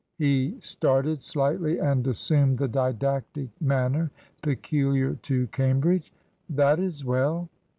He started slightly and assumed the didactic manner peculiar to Cambridge. "That is well."